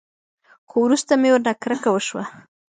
خو وروسته مې ورنه کرکه وسوه.